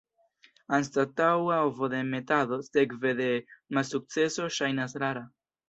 Anstataŭa ovodemetado sekve de malsukceso ŝajnas rara.